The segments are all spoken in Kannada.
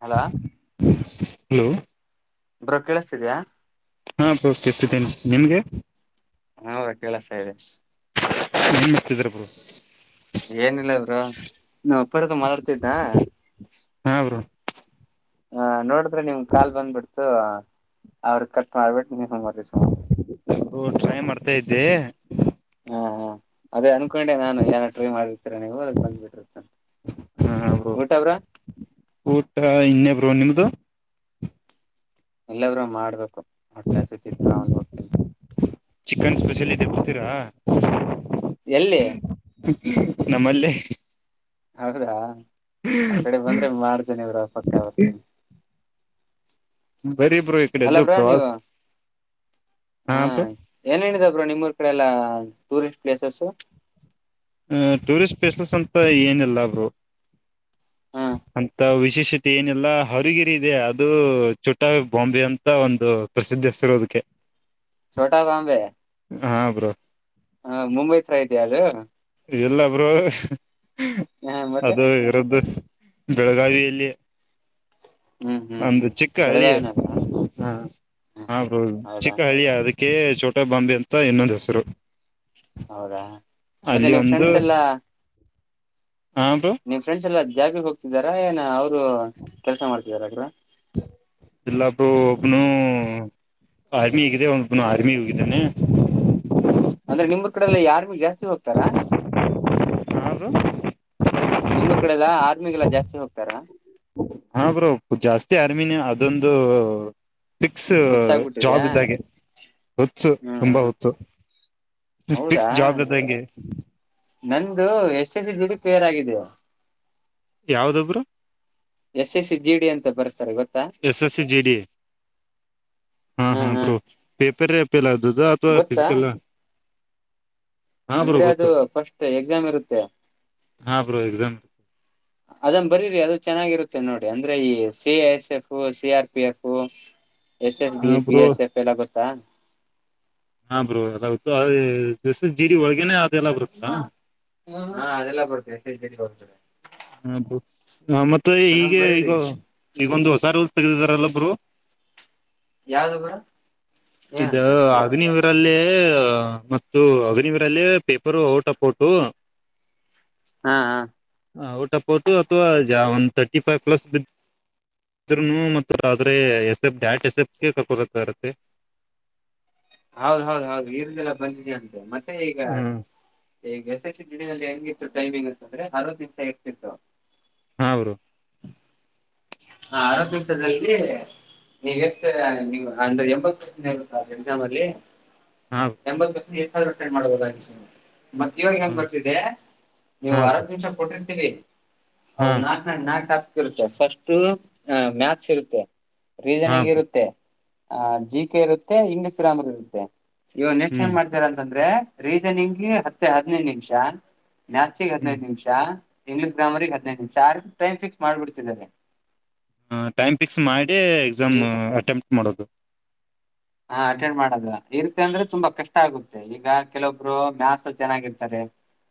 ಹ [inaudible] ಹಲೋ [inaudible] ಬ್ರೋ ಕೇಳಿಸತಿದ್ಯಾ ಹಾ ಪ ಕರ್ತಿದ್ದೇನೆ ನಿಮ್ಗೆ. ಹೌದ ಕೆಳಸ ಇದೆ. ಏನ್ [inaudible] ಏನಿಲ್ಲವರು ನೀ ಅಪ್ಪರಸ ಮಾತಾಡ್ತಿದ್ದ. ಹಾ ಬ್ರೋ ಹ ನೋಡಿದ್ರೆ ನಿಮ್ ಕಾಲ್ ಬಂದ್ಬಿಡ್ತು. ಅವ್ರ ಕಟ್ ಮಾಡ್ಬಿಟ್ಟು ನೀವು ಮ [inaudible] ಹ ಟ್ರೈ ಮಾಡ್ತಾ ಇದ್ದೆ. ಹಾ ಹಾ ಅದೇ ಅನ್ಕೊಂಡೆ ನಾನು ಯಾರು ಟ್ರೈ ಮಾಡಿರ್ತೀರ ನೀವು ಅ ಬಂದ್ಬಿಟ್ಟಿತ್ತ. ಊಟ ಬ್ರೋ. ಊಟ ಇನ್ನೇ ಬ್ರೋ ನಿಮ್ದು ಎಲ್ಲಬ್ರುೂ ಮಾಡ್ಬೇಕು ಹೊಟ್ಟೆ ಹಸತಿತ್ತು ಅವನ್ ಹೋಗ್ತೀನಿ. ಚಿಕನ್ ಸ್ಪೆಷಲಿಟ ಕೊಡ್ತೀರಾ. ಎಲ್ಲಿ ನಮ್ಮಲ್ಲಿ. ಹೌದಾ ಆ ಕಡೆ ಬಂದ್ರೆ ಮಾಡಾರ್ದೇನ ಇವ್ರ ಪಕ್ಕ ವಸ್ಥನೆ. ಬರೀ ಬ್ರೋ ಈ ಅಲ್ಲ ಕಡೆದ್ದು ಬ್ರಾ ಪ್ರವಾಸ ನೀವು ಹಾ ಏನ್ ಹೇಳಿದ. ಇಬ್ ನಿಮ್ಮೂರ್ ಕಡೆ ಎಲ್ಲಾ ಟೂರಿಸ್ಟ್ ಪ್ಲೇಸಸ್ ಹ ಟೂರಿಸ್ಟ್ ಪ್ಲೇಸಸ್ ಅಂತ ಏನಲ್ಲಬ್ರು ಹಾ ಅಂತ. ವಿಶೇಷತೆ ಏನಿಲ್ಲ ಹರಗಿರಿ ಇದೆ ಅದು ಚೊಟ್ಟ ಬಾಂಬೆ ಅಂತ ಒಂದು ಪ್ರಸಿದ್ಧತಿರೋದಕ್ಕೆ. ಕೆ [inaudible] ಚೋಟಾ ಬಾಂಬೆ ಹ ಮುಂಬೈಸ ತ ಅದು. ಎಲ್ಲಬ್ರು ಹ ಮತ್ತೆ ಅದು ಇರದುು ಬೆಳಗಾವಿಯಲ್ಲಿ. ಹ್ಮ್ ಹ್ಮ್ ಒಂದು ಹ್ಮ್ ಚಿಕ್ಕ ಹಳ್ಳಿ ಬೆಳಗಾವಿನಲ್ಲ ಹ. ಹ ಹ ಆಗ್ದು ಹೌದಾ ಚಿಕ್ಕ ಹಳ್ಳಿಯ ಅದಕ್ಕೆ ಚೋಟ ಬಾಂಬಿ ಅಂತ ಇನ್ನೊಂದು ಹೆಸರು. ಹೌದಾ ಮತ್ತೆ ಅಲ್ಲಿ ನೀವು ಒಂದು ಫ್ರೆಂಡ್ಸ್ ಎಲ್ಲಾ. ಹಾ ಬ್ರೋ ನಿವ ಫ್ರೆಂಡ್ಸ್ ಎಲ್ಲಾ ಜಾಬಿಗೆ ಹೋಗತಿದಾರ ಏನ ಅವ್ರ. ಕೆಲ್ಸ ಮಾಡ್ತಿದಾರ್ರ ಬ್ರೋ. ಇನು ಆರ್ಮಿಗಿದೆ ಒ ಆರ್ಮಿ ಹೋಗಿದ್ದಾನೆ. ಅಂದ್ರೆ ನಿಮ ಕಡೆಲ್ಲ ಯಾರ್ಗು ಜಾಸ್ತಿ ಹೋಗ್ತಾರಾ. ಹಾ ಬ್ರೋ. ನಿಮ್ಮರ್ ಕಡೆ ಎಲ್ಲ ಆದರ್ಮಿಗೆಲ್ಲಾ ಜಾಸ್ತಿ ಹೋಗ್ತಾರ. ಅಮನ್ ಅದೊಂದು. ಫಿಕ್ಸ್ ಜಾಬ್ ಹುಚ್ಚಾಗ್ಬಿಟ್ಟಿದ್ಯಾ ಇದ್ದಾಗೆ ಹೊುತ್ಸು ತುಂಬಾ ಹ್ಮ್ ಹೊತ್ತು. ಹೌದಾ ನಂದು ಯಶಸ್ ದುಡಿ ಪೇರ್ ಆಗಿದ. ಯಾವ್ದಬ್ರು. S S C G D ಅಂತ ಬರೆಸ್ತಾರೆ ಇವತ್ತು S S C G D ಹಾ ಹಾ ಬ್ರೋ ಪೇಪರ್ ಗೊತ್ತಾ ಫಿಸಿಕಲ್ ಹಾ ಬ್ರೋ ಅಂದ್ರೆ ಅದು ಗೊತ್ತು ಫಸ್ಟ್ ಎಕ್ಸಾಮ್ ಇರುತ್ತೆ ಹಾ ಬ್ರೋ ಎಕ್ಸಾಮ್ ಅದನ್ ಬರರಿ ಅದು ಚೆನ್ನಾಗಿರುತ್ತೆ ನೋಡಿಿ ಅಂದ್ರೆ ಈ C S F C R P F S S ಹಾ B B bro S F ಎಲ್ಲ [unintelligible] ಹಾ ಬ್ರೋ ಜೀಡಿ ಒಳಗೆ ಹಾ ಅದೆಲ್ಲ ಬರ್ತ [unintelligible] ಹ ಮತ್ತೆ ಅದನ್ ಹೀಗೆ ಈಗ ಬರೀರಿ ಈಗೊಂದು ಹೊಸಾರ ತೆಗದಿದಾರಲ್ಲಬ್ರು. ಯಾವ್ದ ಬ್ರೋ ಇದು ಅಗ್ನಿವಿರಲ್ಲಿ ಮತ್ತು ಅಗ್ನಿವರಲ್ಲಿ ಪೇಪರು ಔಟ್ ಆಫ್ ಔಟು ಹ ಹಾ ಹಾ ಔಟಪೋಟು ಅಥವಾ ಒನ್ ತರ್ಟಿ ಫೈ್ ಪ್ಲಸ್ ಇದ್ರನು ಆದ್ರೆ ಎಸ್ ಎಫ ಡ್ಯಾಟ್ ಎಸ್ ಎಫಗೆ ಕಕೋದ ಇರತ್ತೆ ಹೌದ ಹೌದು ಹೌದು ಇರ್ದೆಲ್ಲ ಬಂದಿದ ಅಂತೆ ಮತ್ತೆ ಈಗ ಹ್ಮ್ ಈಗ ಎಸ್ ಎಸ್ ದಿನಲ್ಲಿ ಹೆಂಗಿತ್ತು ಟೈಮಿಂಗ್ ಅಂತಂದ್ರೆ ಅರ್ವತ್ತು ನಿಮಿಷ ಇರ್ತಿತ್ತು ಹಾ ಬ್ರೋ ಹ ಅರವಥೆಂಟರ್ದಲ್ಲಿ ನೀವೆಷ್ಟು ನೀವು ಅಂದ್ರೆ ಎಂಬತ್ತುಾದ್ರೆ ಎಲ್ಲಿ ಹಾ ಎಂಬತ್ ಎಸ್ಟ್ ಆದ್ರೂ ಅಟೆಂಡ್ ಮಾಡ್ಬುದ ಮತ್ತ ಇವಾಗ ಹಾ ಹೆಂಗ್ ಬರ್ತಿದ್ದೆ ನೀವು ಹಾ ಬ್ರೋ ಅರದ ನಿಮಿಷ ಕೊಟ್ಟಿರ್ತೀವಿ ಹಾ ಹೌದ ನಾಲ್ಕ ನ ನಾಲ್ಕು ಟಾಸ್ಕ್ ಇರುತ್ತೆ ಫಸ್ಟ್ು ಅ ಮ್ಯಾಥ್ಸ್ ಇರುತ್ತೆ ಹಾ ರೀಸನಿಂಗ್ ಬ್ರೋ ಇರುತ್ತೆ ಅಹ ಜಿ ಕೆ ಇರುತ್ತೆ ಇಂಗ್ಲಿಷ್ ಗ್ರಾಮರ್ ಇರುತ್ತೆ ಇವ ನೆಕ್ಸ್ಟ್ ಹ್ಮ್ ಏನ್ ಮಾಡ್ತೀರ ಅಂತಂದ್ರೆ ರೀಸನಿಂಗ್ ಹತ್ತೆ ಹದಿನೈದು ನಿಮಿಷ ಮ್ಯಾಥ್ಸಿಗೆ ಹ್ಮ್ ಹದಿನೈದು ನಿಮಿಷ ಇಂಗ್ಲಲಿಷ್ ಗ್ರಾಮರಿರಿಗೆ ಹದಿನೈದು ನಿಮಿಷ ಟೈ್ ಫಿಕ್ಸ್ ಮಾಡಬಿಡ್ತಿದಿದ್ದಾರೆ ಹ ಟೈಮ್ ಫಿಕ್ಸ್ ಮಾಡಿ ಎಕ್ಸಾಮ್ ಈ ಅಟೆಂಪ್ಟ್ ಮಾಡೋದು ಹಾ ಅಟೆಂಡ್ ಮಾಡದ ಇರುತ್ತೆ ಅಂದ್ರೆ ತುಂಬಾ ಕಷ್ಟ ಆಗುತ್ತೆ ಈಗ ಕೆಲವೊಬ್ರು ಮ್ಯಾಥಸ್ ಚೆನ್ನಾಗಿರ್ಾರೆ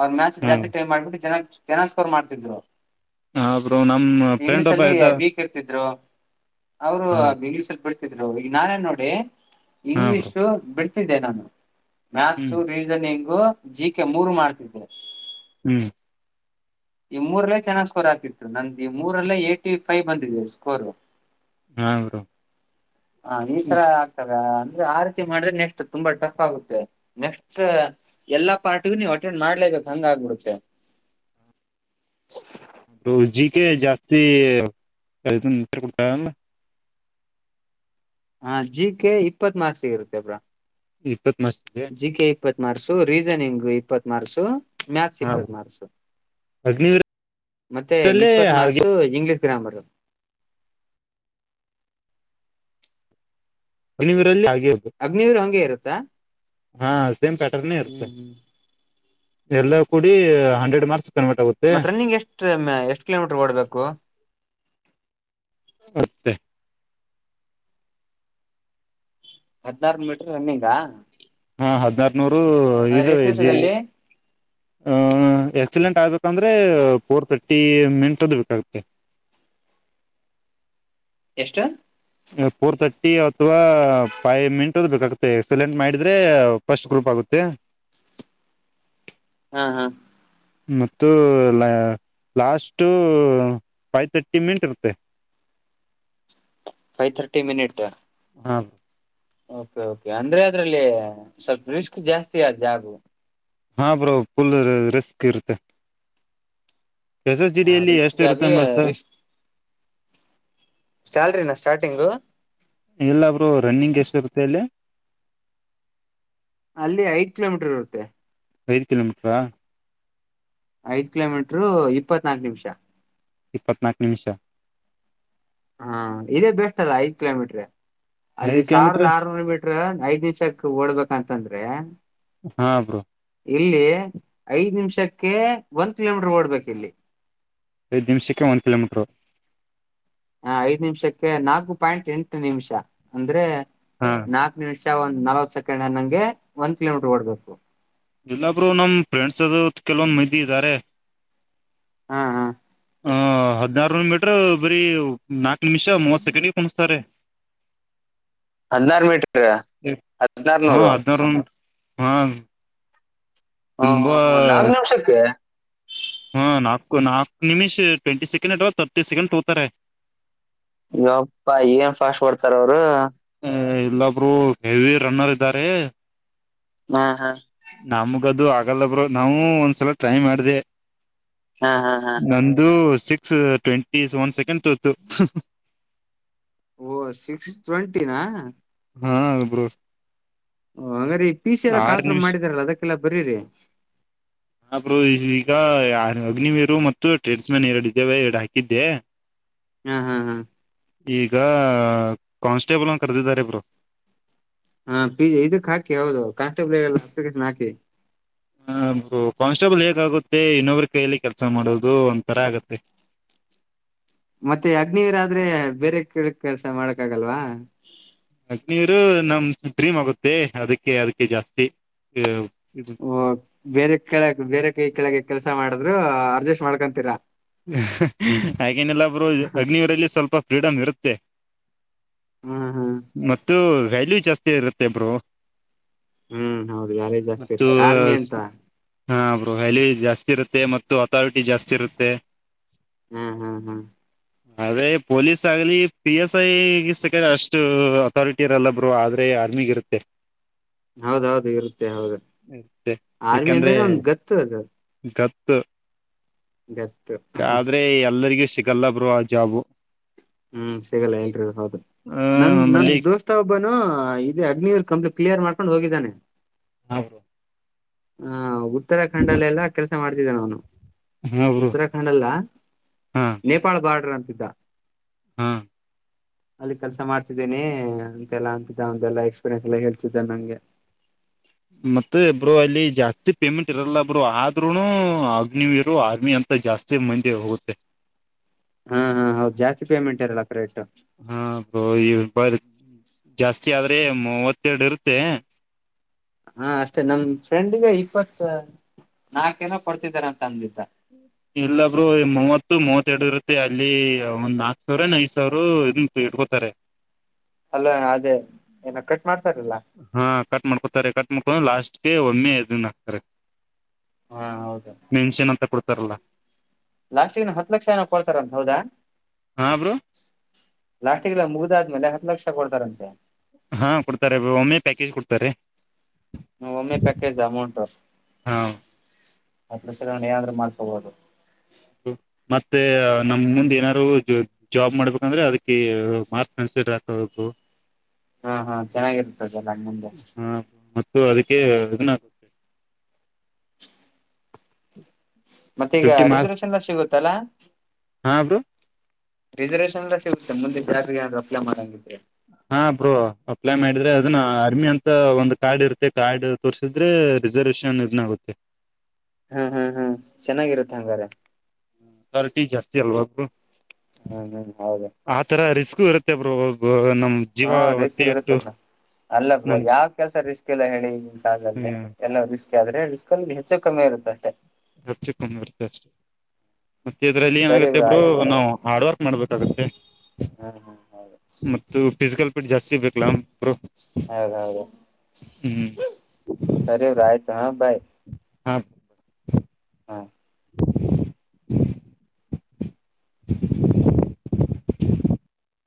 ಅವ್ರ ಮ್ಯಾಥ್ಸ್ ಜಾಸ್ತಿ ಟೈ ಹಾ ಮಾಡ್ಬಿಟ್ಟು ಚೆನ್ನ ಚೆನ್ನಾಗಿ ಸ್ಕೋರ್ ಮಾಡ್ತಿದ್ರು ಬ್ರೋ ನಮ್ ಫ್ರೆಂಡ್ ಇಂಗ್ಲೀಷ್ ಒಬ್ಬ ಅಲ್ಲಿ ಇದ್ದ ವೀಕ್ ಇರ್ತಿದ್ರು ಅವರು ಹಾ ಇಂಗ್ಲೀಷ್ ಅಲ್ಲಿ ಬಿಡ್ತರು ್ ಈಗ ನಾನೇ ನೋಡಿ ಬ್ರೋ ಇಂಗ್ಲಿೀಷು ಬಿಡ್ತಿದ್ದೆ ನಾನು ಹ್ಮ್ ಮ್ಯಾಥ್ಸ ರೀಸನಿಂಗ್ ಜಿ ಕೆ ಮೂರು ಮಾಡ್ತಿದ್ದವು ಹ್ಮ್ ಈ ಮೂರಲ್ಲೇ ಚೆನ್ನಾಗ್ ಸ್ಕೋರ್ ಹಾಕತಿತ್ತು ನಂದ ಈ ಮೂರಲ್ಲೇ ಹೈಟ್ಫೈವ್ ಬಂದಿದೀ ಸ್ಕೋರ್ ಹಾ ಬ್ರೋ ಹ ಈ ತರ ಆಗ್ತದೆ ಆ ರತಿ ಮಾಡಿದ್ರೆ ನೆಕ್ಸ್ಟ್ ತುಂಬಾ ಟಫ್ ಆಗುತ್ತೆ ನೆಕ್ಸ್ಟ್ ಎಲ್ಲಾ ಪಾರ್ಟಗು ನೀವು ಅಟೆಂಡ್ ಮಮಾಡಲೇ ಬೇಕು ಹಂಗ ಆಗ್ಬಿಡುತ್ತೆ [inaudible] [inaudible] ಜಿಕೆ ಜಾಸ್ತಿ ಹಾ ಜಿ ಕೆ ಇಪ್ಪತ್ ಮಾರ್ಕ್ಸ್ಗ ಇರುತ್ತೆ ಬ್ರೋ ಇಪ್ಪತ್ ಮಾರ್ಕ್ಸ್ ಗೆ ಜ ಕೆ ಇಪ್ಪತ್ ಮಾರ್ಸು ರೀಸನಿಂಗ್ ಇಪ್ಪತ್ ಮಾರ್ಸು ಮ್ಯಾಥಸ್ ಹಾ ಇಪ್ಪತ್ ಮಾರ್ಕ್ಸ ಅಗ್ನಿವೀರಲ್ಲಿ ಮತ್ತೆ ಇಪ್ಪತ್ ಹಾಗೆ ಮಾರ್ಕ್ಸು ಇಂಗ್ಲೀಷ್ ಗ್ರಾಮ್ಮರ್ ಅನಿವೀರಲ್ಲಿ ಅಗ್ನವೀರು ಹಂಗೆ ಇರುತ್ತಾ ಹಾ ಸೇಮ್ ಪ್ಯಾಟರ್ನ್ೇ ಇರುತ್ತೆ ಹ್ಮ್ ಹ್ಮ್ ಎಲ್ಲ ಕೂಡಿ ಹಂಡ್ರೆಡ್ ಮಾರ್ಕ್ಸ್ ಕನ್ವರ್ಟ್ ಆಗುತ್ತೆ ಮತ್ತತ್ ರನ್ನಿಂಗ್ ಎಷ್ಟ ಎಷ್ಟ್ ಕಿಲೋಮೀಟರ್ ಓಡ್ಬೇಕು [unintelligible] ಹದ್ನಾರು ಮೀಟರ್ ರನ್ನಿಂಗ ಹಾ ಹದನಾರನೂರು ಇದು ಎಜಿ ನಿಮಿಷದಲ್ಲಿ ಹ ಎಕ್ಸಿಲೆಂಟ್ ಆಗ್ಬೇಕಂದ್ರೆ ಪೋರ್ತ ಟ್ಟಿ ಮೆನ್ ತದ್ಬೇಕೇಕಾಗುತ್ತೆ. ಎಷ್ಟ. ನೀವು ಫೋರ್ ಥರ್ಟಿ. ಅಥ್ವಾ ಫೈವ್ ಮಿನಿಟ್ ಅ ಬೇಕಾಗುತ್ತೆ ಎಕ್ಸಲೆಂಟ್ ಮಾಡಿದ್ರೆ ಫಸ್ಟ್ ಗ್ರೂಪ್ ಆಗುತ್ತೆ. ಹ [inaudible] ಹ ಹಾ ಮತ್ತು ಲ. ಲಾಸ್ಟು ಫೈವ್ ತರ್ಟಿ ಮಿಂಟ್ ಇರುತ್ತೆ. Five thirty minute. ಹಾ ಕೆ ಕೆ ಅಂದ್ರೆ ಅದ್ರಲ್ಲಿ ಸ್ವಲ್ಪ ರಿಸ್ಕ್ ಜಾಸ್ತಿ ಆದ ಜಾಗು. ಹಾ ಬ್ರೋ ಪುಲ್ ರಿಸ್ಕ್ ಇರುತ್ತೆ. ಎಸ್ ಎಸ್ ಜಿ ಹಾ ಡಿಯಲ್ಲಿ ರಿಶ ಎಷ್ಟು ಇರುತ್ತೆ ಅಂಬ ಸರ್ ಜಾಬಿರಿ ಶಲ್ರಿ ನ. ಸ್ಟಾರ್ಟಿಂಗು. ಇಲ್ಲ ಬ್ರೋ ರನ್ನಿಂಗ್ ಎಷ್ಟ ಇರುತ್ತೆ ಹೇಳಿ. ಅಲ್ಲಿ ಐದ ಕಿಲೋಮೀಟರ್ ಇರುತ್ತೆ. ಐದು ಕಿಲೋಮೀಟ್ರಾ. ಐದ್ ಕಿಲೋಮೀಟರು ಇಪ್ಪತ್ನಾಕು ನಿಮಿಷ. ಇಪ್ಪತ್ತ್ನಾಕು ನಿಮಿಷ. ಹಾ ಇದೇ ಬೆಸ್ಟ್ ಅಲ್ಲ ಐದ್ ಕಿಲೋಮೀಟ್ರ ಅಲ್ಲಿ ಐದು ಸಾವಿರದ ಕಿಲೋಮೀಟ್ರ ಆರ್ನೂರ ಮೀ. ಐದ್ ನಿಮಷಕ್ ಓಡ್ಬೇಕಂತಂದ್ರೆ. ಹಾ ಬ್ರೋ. ಇಲ್ಲಿ ಐದ್ ನಿಮಿಷಕ್ಕೆ ಒಂದ್ ಕಿಲೋಮೀಟರ್ ಓಡ್ಬೇಕ ಇಲ್ಲಿ. ನಿಮ್ಸಕ್ಕೆ ಒಂದ ಕಿಲೋಮೀಟರು. ಹ ಐದ್ ನಿಮಿಷಕ್ಕೆ ನಾಲ್ಕು ಪಾಯಿಂಟ್ ಎಂಟ ನಿಮಿಷ ಅಂದ್ರೆ ಹಾ ನಾಕ್ನಿಮಿಷ ಒಂದ್ ನಲ್ವ ಸೆಕೆಂಡ್ ನಂಗೆಂದ ಕಿಲೋಮೀಟರ್ ಓಡ್ಬೇಕು. ಎಲ್ಲಬ್ರು ನಮ್ ಫ್ರೆಂಡ್ಸ್ ಅದು ಕೆಲವೊಂದ್ ಮಂದಿ ಇದ್ದಾರೆ. ಹಾ ಹಾ ಆ ಹದ್ನಾರು ಮೀಟ್ರ ಬರೀ ನಾಲ್ಕ್ ನಿಮಿಷ ಮೂವತ್ ಸೆಕೆಂಡ್ಗೆ ಕಣಿಸ್ತಾರೆ. ಹದ್ನಾರು ಮೀಟರ್ ಹಾ ಹದಿನಾರನೂರು ಹದ್ನಾರು ಹಾ ಹ್ಮ ತುಂಬಾ ಹ್ಮ್ ಹ್ಮ್ ನಾಲ್ ನಿಮಿಷಕ್ಕೆ. ಹಾ ನಾಲ್ಕು ನಾಲ್ಕು ನಿಮಿಷ ಟ್ವೆಂಟಿ ಸೆಕೆಂಡ್ ಅಥವಾ ತರ್ಟಿ ಸೆಕೆಂಡ್ ತೋಗತಾರೆ. ಇಪ್ಪಾ ಏನ್ ಫಾಸ್ಟ್ ಕೊಡ್ತಾರ ಅವರು. ಇಲ್ಲೊಬ್ರು ಹೆವಿ ರನ್ನರ್ ಇದಾರೆ ಹಾ ಹಾ ನಮಗದು ಆಗಲ್ಲಬ್ರರು ನಾವೂ ಒಂದ್ಸಲ ಟ್ರೈ ಮಾಡ್ದ. ಹಾ ಹಾ ಹಾ ನಂದು ಸಿಕ್ಸ್ ಟ್ವೆಂಟಿ ಒನ್ ಸೆಕೆಂಡ್ ತತ್ತು. ಓ ಸಿಕ್ಸ್ ಟ್ವೆಂಟಿ ನ. ಹೂ ಹೂ ಓ ಹಂಗ್ರೀ ಪಿ ಸಿ ಎಲ್ಲ ಕಾಲ ಫಾರ್ಮ್ ಮಾಡಿದಾರಲ್ಲ ಅದಕ್ಕೆಲ್ಲ ಬರರಿ. ಹಾ ಬ್ರೋ ಈಗ ಅಗ್ನಿವೀರು ಮತ್ತು ಟ್ರೇಡ್ಸ್ ಮ್ಯಾನ್ ಎರಡು ಇದ್ದೇವೆ ಎರಡು ಹಾಕಿದ್ದೆ. ಹ್ಮ ಹಾ ಹಾ ಈಗ ಕಾನ್ಸ್ಟೇಬಲ್ ಅಂತ ಕರೆದಿದ್ದಾರೆ ಬ್ರೋ ಹಾ ಪ ಇದಕ್ ಹಾಕಿ ಹೌದು ಕಾನ್ಸ್ಟೇಬಲ್ ಅಪ್ಲಿಕನ್ ಹಾಕಿ. ಹ ಕಾನ್ಸ್ಟೇಬಲ್ ಹೇಗಾಗುತ್ತೆ ಇನ್ನೊಬ್ಬ್ರ ಕೈಯಲ್ಲಿ ಕೆಲ್ಸ ಮಾಡೋದು ಒಂಥರ ಆಗತ್ತೆ. ಹಾ ಹ [inaudible] ಮತ್ತೆ ಅಗ್ನಿವರಾದ್ರೆ ಬೇರೆ ಕೇಳಕ್ ಕೆಲ್ಸ ಮಾಡಕ್ ಆಗಲ್ವಾ ಅಗ್ನಿವೀರ ನಮ್ಮ ಡ್ರೀಮ್ ಆಗುತ್ತೆ ಅದಕ್ಕೆಅದಕ್ಕೆ ಜಾಸ್ತಿ ಇದು. ಓ ಬೇರೆ ಕೆಳಗೆ ಬೇರೆ ಕೈ ಕೆಳಗೆ ಕೆಲ್ಸ ಮಾಡಿದ್ರು ಅಡ್ಜಸ್ಟ್ ಮಾಡ್ಕೊಂತೀರಾ ಹಾಗೇನಿಲ್ ಬ್ರೋ ಅಗ್ನಿವೀರದಲ್ಲಿ ಸ್ವಲ್ಪ ಫ್ರೀಡಮ್ ಇರುತ್ತೆ ಹ್ಮ ಹಾ ಮತ್ತು ವ್ಯಾಲ್ಯೂ ಜಾಸ್ತಿ ಇರುತ್ತೆ ಬ್ರೋ ಹ್ಮ್ ಹೌದು ಯಾರೇ ಜಾಸ್ತಿ ಇರುತ್ತೆ ಆರ್ಮಿ ಅಂತ ದೋಸ್ತ ಹಾ ವ್ಯಾಲ್ಯೂ ಜಾಸ್ತಿ ಇರುತ್ತೆ ಮತ್ತು ಅಥಾರಿಟಿ ಜಾಸ್ತಿ ಇರುತ್ತೆ ಹ್ಮ್ ಹ್ಮ್ ಹ್ಮ್ ಅದೇ ಪೊಲೀಸ್ ಆಗ್ಲಿ ಪಿ ಎಸ್ ಐ ಸಕ್ರ ಅಷ್ಟು ಅಥಾರಿಟಿ ಇರಲ್ಲ ಬ್ರೋ ಆದ್ರೆ. ಆರ್ಮಿಗ ಇರುತ್ತೆ. ಹೌದೌದು ಇರುತ್ತೆ ಹೌದು ಇರುತ್ತೆ ಆರ್ಮಿ ಅಂದ್ರ ಒಂದ್ ಗತ್ತು ಅದದು ಹೆ ಆದ್ರೆ ಎಲ್ಲರಿಗೂ ಸಿಗಲ್ಲ ಬ್ರೋ ಆ ಜಾಬು ಹ್ಮ್ ಸಿಗಲ್ಲ ಎಲ್ರಿ ಹೌದು ಆ ನಂದ ನನ್ ನಮ್ಮಲ್ಲಿ ದೋಸ್ತ ಒಬ್ಬ ಇೇ ಅಗ್ನಿರ್ ಕಂಪ್ಲೀಟ್ ಕ್ಲಿಯರ್ ಮಾಡ್ಕೊಂಡು ಹೋಗಿದ್ದಾನೆ ಹೌದು ಹ ಉತ್ತರಾಖಂಡಲ್ಲೆಲ್ಲ ಕೆಲ್ಸ ಮಾಡ್ತಿದ್ದೆ ನು ಬ್ರೋ ಉತ್ತರಾಖಂಡ್ ಅಲ್ಲ ಹಾ ನೇಪಾಳ್ ಬಾರ್ಡರ್ ಅಂತಿದ್ದ ಹಾ ಅಲ್ಲಿ ಕೆಲ್ಸ ಮಾಡ್ತಿದ್ದೀನಿ ಅಂತೆಲ್ಲಾ ಅಂತಿದ್ದ ಒಲ್ಲಾ ಎಕ್ಸ್ಪೀರಿಯನ್ಸ್ ಎಲ್ಲ ಹೇಳ್ತಿದ್ದ ನಂಗೆ ಹ ಹಾ ಮತ್ತೆ ಬ್ರೋ ಅಲ್ಲಿ ಜಾಸ್ತಿ ಪೇಮೆಂಟ್ ಇರಲ್ಲಬ್ರೋ ಆದ್ರೂನು ಅಗ್ನಿವೀರ ನು ಅಂತ ಮ ಜಾಸ್ತಿ ಮಂದೆ ಹೋಗುತ್ತೆ ಹಾ ಹಾ ಹೌದು ಜಾಸ್ತಿ ಪೇಮೆಂಟ್ ಇರಲ್ಲ ಕ್ರೇಟ್ ಹಾ ಈ ಬ ಜಾಸ್ತಿ ಆದ್ರೆ ಮೂವತ್ತೆರಡು ಇರುತ್ತೆ ಹಾ ಅಷ್ಟೇ ನಮ ಫ್ರೆಂಡಗ ಇಪ್ಪತ್ತ ನಾಕೇಏನ ಕೊಡ್ತಿದಾರ ಅಂತ ಅಂದಿದ್ದ ಇಲ್ಲಬ್ರು ಮೂವತ್ತು ಮೂವತ್ತೆರಡು ಇರುತ್ತೆ ಅಲ್ಲಿ ಒಂದ್ ನಾಕ್ ಸಾವರ ಐದ್ ಸಾವಿರ ಇಟ್ಕೊತಾರೆ ಅಲ್ಲ ಅದೇ ಏನ ಕಟ್ ಮಾಡ್ ಹಾ ಕಟ್ ಮಾಡ್ಕೊತಾರೆ ಕಟ್ ಮಾಡ್ಕೊಂಡ ಲಾಸ್ಟ್ಗೆ ಒಮ್ಮೆ ಇದನ್ ಹಾಕ್ತಾರೆ ಹಾ ಹೌದ ಉತ್ತರ್ಲ ಲಾಸ್ಟ್ ನ ಹತ್ ಲಕ್ಷ ಜಏನಕೊಳ್ತಾರಂತ ಹೌದಾ ಹಾ ಬ್ರೋ ಲಾಸ್ಟಿಗ್ಲ್ಲ ಮುಗ್ದಾದ್ಮೇಲೆ ಹತ್ ಲಕ್ಷ ಕೊಡ್ತಾರಂತೆ ಹಾ ಕೊಡ್ತಾರೆ ಒಮ್ಮೆ ಪ್ಯಾಕೇಜ್ ಕೊಡ್ತಾರೆ ಒಮ್ಮೆ ಪ್ಯಾಕೇಜ್ ಅಮೌಂಟ್ ಹಾ ಹತ್ರ ಚಲ ಏನಾದ್ರೂ ಮಾಡ್ಕೊಬೋದು ಮತ್ತೆ ನಮ್ ಮುಂದ್ ಏನಾರು ಜಾಬ್ ಮಾಡ್ಬೇಕಂದ್ರೆ ಅದ ಮಾರ್ ಮಸತ ಹು ಹಾ ಹಾ ಚೆನ್ನಾಗಿರುತ್ತದೆಲ್ಲ ಮುಂದೆ ಸೊ ಅದಕ್ಕೆ ಇದನ್ನಾಗೆ [inaudible] ಮತ್ತ ಈಗ ಫಿಫ್ಟಿ ಮಾರ್ಕ್ಸ್ ರಿಸರ್ವೇಶನ್ ಎ ಸಿಗುತ್ತಲ್ಲಾ ಹಾ ಬ್ರೋ ರಿಸರ್ವೇಷನ್ ಎಲ್ಲ ಸಿಗುತ್ತೆ ಮುಂದೆ ಜಾರಿಗೆ ಯಾರರು ಅಪ್ ಮಾಡಂಗಿದೆ ಹಾ ಬ್ರೋ ಅಪ್ಲೈ ಮಾಡಿದ್ರೆ ಅದನ್ನ ಆರ್ಮಿ ಅಂತ ಒಂದ್ ಕಾರ್ಡ್ ಇರುತ್ತೆ ಕಾರ್ಡ್ ತೋರ್ಸಿದ್ರೆ ರಿಸರ್ವಷನ್ ಇದನ್ನಗುತ್ತೆ ಹ್ಮ್ ಹ್ಮ್ ಹ್ಮ್ ಚೆನ್ನಾಗಿರುತ್ತೆ ಹಂಗಾರೆ ಕಟಿ ಜಾಸ್ತಿ ಅಲ್ವಾಬ್ರು ಹ್ಮ ಹ್ಮ್ ಹೌದ ರಿಸ್ಕ್ ಇರುತ್ತೆ ಬ್ರ ಹೋಗ ಹಾ ರೇಶ ಇರುತ್ತಲ್ ಅಲ್ಲ ಬ್ರೋ ನಮ್ ಯಾವ್ ಕೆಲ್ಸ ರಿಸ್ಕ್ ಇಲ್ಲ ಹೇಳಿ ಈಗಿನ ಕಾಲದಲ್ಲಿ ಎಲ್ಲ ರಿಸ್ಕ್ ಅದ್ರೆ ರಿಸ್ಕಲ್ಲಿ ಹೆಚ್ಚು ಕಮ್ಮಿ ಇರುತ್ತ ಅಷ್ಟೆ ಹ ಚಿಕ್ಕರ್ ಜಷ್ಟ ಮತ್ತೆ ಇದ್ರಲ್ಲಿ ಸರಿ ಏನಾಗುತ್ತೆ ಬ್ರೋ ಒಬ್ರು ಆಯ್ತು ನಾವು ಹಾರ್ಡ್ ವರ್ಕ್ ಮಾಡ್ಬೇಕಾಗತ್ತೆ ಹ್ಮ್ ಹ್ಮ್ ಹೌದು ಮ ಫಿಸಿಕಲ್ ಫಿಟ್ ಜಾಸ್ತಿ ಬೇಕಲಾರು ಹೌದೌದು ಸರಿ ರಾಯ್ತ ಹಾ ಭಾಯ ಹಾ ಹಾ [inaudible] [inaudible]